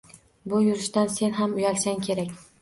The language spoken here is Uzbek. Bu yurishdan sen ham uyalsang kerak.